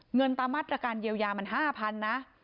เงินตามมาตรการเยียวยามัน๕๐๐๐นะ